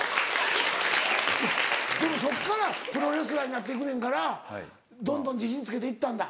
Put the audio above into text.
でもそっからプロレスラーになっていくねんからどんどん自信つけていったんだ。